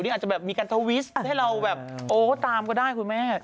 อาจจะแบบมีการทวิสให้เราแบบโอ้ก็ตามก็ได้คุณแม่